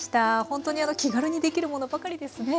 ほんとに気軽にできるものばかりですね。